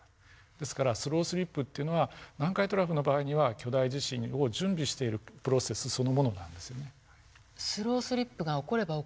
ですからスロースリップというのは南海トラフの場合には巨大地震を準備しているプロセスそのものなんですよね。